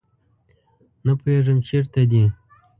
نه پوهیږم چیرته دي